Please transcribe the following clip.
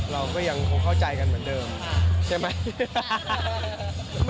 เราก็ยังคงเข้าใจกันเหมือนเดิมใช่ไหม